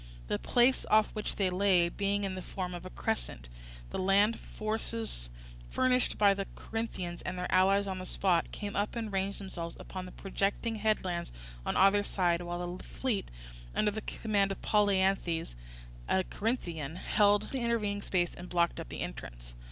The place off which they lay being in the form of a crescent, the land forces furnished by the Corinthians and their allies on the spot came up and ranged themselves upon the projecting headlands on either side, while the fleet, under the command of Polyanthes, a Corinthian, held the intervening space and blocked up the entrance.